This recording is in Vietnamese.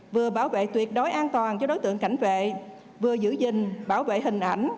vừa bảo vệ tuyệt đối an toàn cho đối tượng cảnh vệ vừa giữ gìn bảo vệ hình ảnh